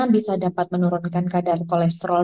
bisa dapat menurunkan kadar kolesterol